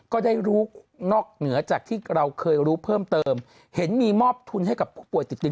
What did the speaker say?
ก็ได้รู้นอกเหนือจากที่เราเคยรู้เพิ่มเติมเห็นมีมอบทุนให้กับผู้ป่วยติดติด